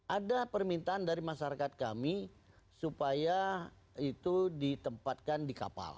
ada permintaan dari masyarakat kami supaya itu ditempatkan di kapal